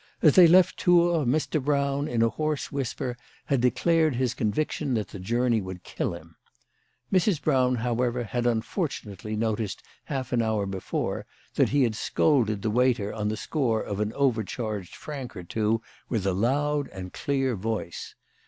As they left Tours Mr. Brown, in a hoarse whisper, had declared his conviction that the journey would kill him. Mrs. Brown, however, had unfortunately noticed half an hour before that he had scolded the waiter on the score of an overcharged franc or two with a loud and clear voice.